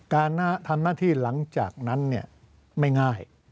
การทำหน้าที่หลังจากนั้นไม่ง่าย